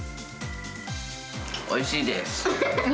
おいしいです。